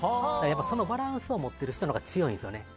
そのバランスを持ってる人のほうが強いんですよね。